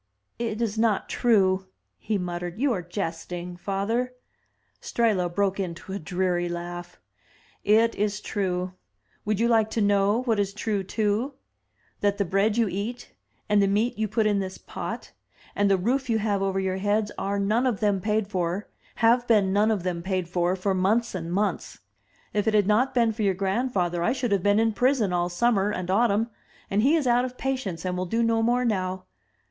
"It is not true?*' he muttered. "You are jesting, father?" Strehla broke into a dreary laugh. "It is true. Would you like to know what is true too? — ^that the bread you eat, and the meat you put in this pot, and the roof you have over your heads, are none of them paid for, have been none of them paid for, for months and months. If it had not been for your grandfather, I should have been in prison all summer and autumn, and he is out of patience and will do no more now.